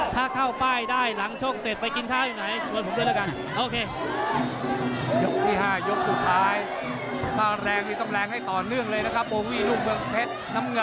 ถ้าเข้าป้ายได้หลังโชคเสร็จไปกินข้าวอยู่ไหนชวนผมด้วยแล้วกัน